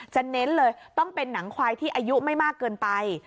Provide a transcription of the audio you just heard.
เน้นเลยต้องเป็นหนังควายที่อายุไม่มากเกินไป